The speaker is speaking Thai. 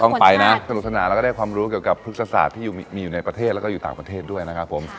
ต้องไปนะสนุกสนานแล้วก็ได้ความรู้เกี่ยวกับพฤกษศาสตร์ที่มีอยู่ในประเทศแล้วก็อยู่ต่างประเทศด้วยนะครับผม